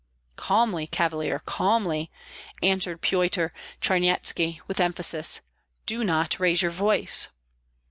"Calmly, Cavalier, calmly," answered Pyotr Charnyetski, with emphasis. "Do not raise your voice."